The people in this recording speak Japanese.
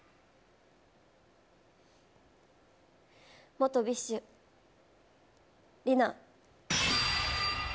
元ＢｉＳＨ、梨菜。